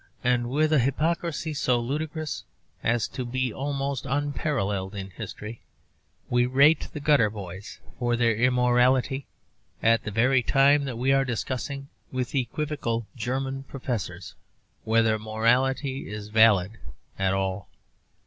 And with a hypocrisy so ludicrous as to be almost unparalleled in history, we rate the gutter boys for their immorality at the very time that we are discussing (with equivocal German Professors) whether morality is valid at all.